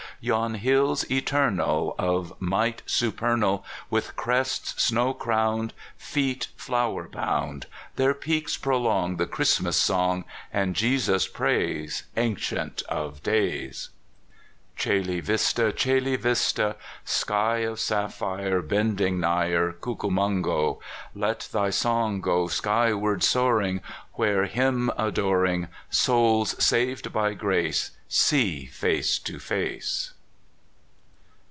Yon hills eternal, Of might supernal, With crests snow crowned, Feet flower bound — Their peaks prolong The Christmas song, And Jesus praise. Ancient of Days. Coela Vista! Coela Vista! Sky of sapphire, Bending nigher, Cocumungo,"!" Let thy song go Skyward soaring. Where, Him adoring, Souls, saved by grace, See face to face.